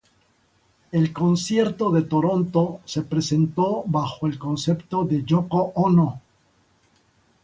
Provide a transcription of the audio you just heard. El concierto de Toronto se presentó bajo el concepto de Yoko Ono.